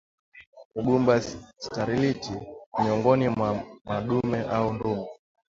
Ugumba sterility miongoni mwa madume au ndume